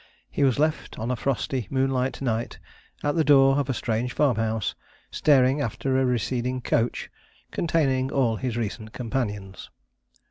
He was left on a frosty, moonlight night at the door of a strange farmhouse, staring after a receding coach, containing all his recent companions.